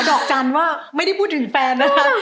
ดอกจันทร์ว่าไม่ได้พูดถึงแฟนนะคะ